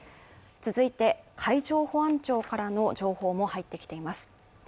続いて、海上保安庁からの情報も入ってきています。